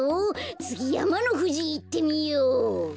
つぎやまのふじいってみよう。